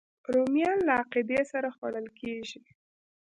رومیان له عقیدې سره خوړل کېږي